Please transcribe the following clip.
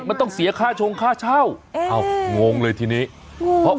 มันต้องเสียค่าชงค่าเช่าเอ้างงเลยทีนี้งงเพราะ